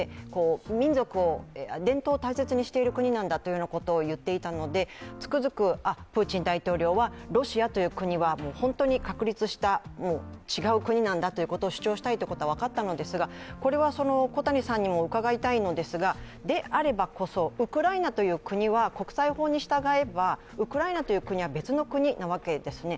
民族を、伝統を大切にしている国なんだと言っていたので、つくづく、プーチン大統領はロシアという国は本当に確立した違う国なんだということを主張したいことは分かったのですが、これは小谷さんにも伺いたいのですが、であればこそ、ウクライナという国は国際法に従えば、ウクライナという国は別の国なわけですね。